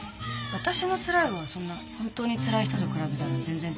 私のつらいはそんな本当につらい人と比べたら全然大したことないから。